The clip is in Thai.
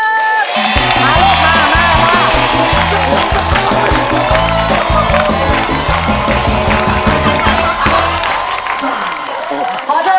จัดลงจัดลง